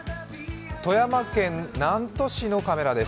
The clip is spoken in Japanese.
富山県南砺市のカメラです。